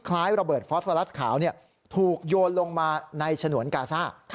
ระเบิดฟอสฟอลัสขาวถูกโยนลงมาในฉนวนกาซ่า